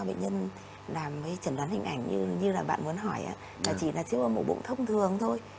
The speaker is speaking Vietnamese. các bệnh nhân làm trần đoán hình ảnh như bạn muốn hỏi là chỉ là chứa một bụng thông thường thôi